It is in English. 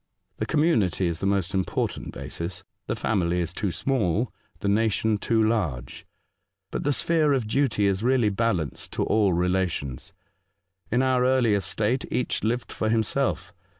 The com munity is the most important basis. The family is too small, the nation too large ; but the sphere of duty is really balanced to all relations. In our earliest state each lived for himself.